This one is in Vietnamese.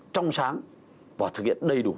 trong sáng và thực hiện đầy đủ